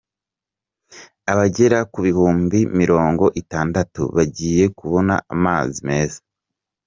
Abagera ku bihumbi mirongo itandatu bagiye kubona amazi meza